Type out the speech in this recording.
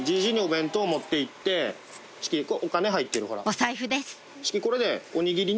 お財布です